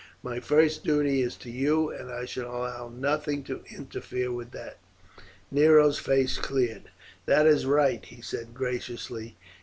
My first duty is to you, and I shall allow nothing to interfere with that." Nero's face cleared. "That is right," he said graciously.